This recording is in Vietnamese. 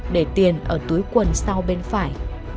để tiền ở túi quần sau bên phải